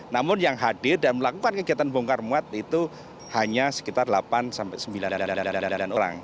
namun yang hadir dan melakukan kegiatan bongkar muat itu hanya sekitar delapan sembilan orang